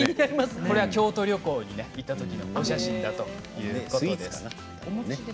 これは京都の旅行に行ったときのことだということです。